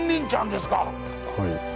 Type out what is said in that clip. はい。